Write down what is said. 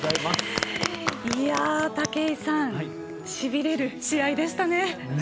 武井さん、しびれる試合でしたね。